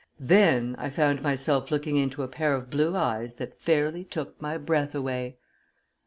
Then I found myself looking into a pair of blue eyes that fairly took my breath away.